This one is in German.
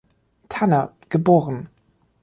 Thanner, geboren.